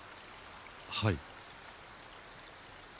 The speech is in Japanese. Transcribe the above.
はい。